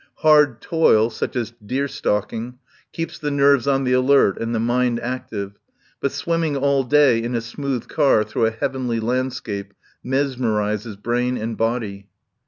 Hard toil, such as deer stalk ing, keeps the nerves on the alert and the mind active, but swimming all day in a smooth car through a heavenly landscape mesmerises brain and body.